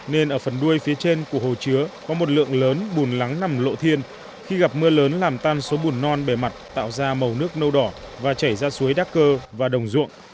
nên ở phần đuôi phía trên của hồ chứa có một lượng lớn bùn lắng nằm lộ thiên khi gặp mưa lớn làm tan số bùn non bề mặt tạo ra màu nước nâu đỏ và chảy ra suối đắc cơ và đồng ruộng